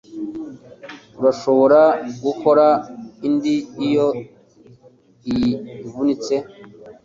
Urashobora gukora indi iyo iyi ivunitse